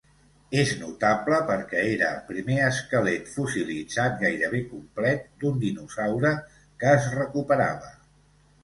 És notable perquè era el primer esquelet fossilitzat gairebé complet d'un dinosaure que es recuperava.